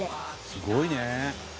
「すごいね！」